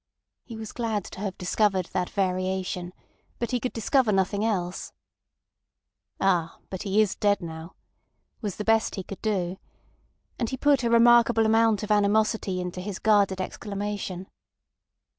He was glad to have discovered that variation; but he could discover nothing else. "Ah, but he is dead now," was the best he could do. And he put a remarkable amount of animosity into his guarded exclamation.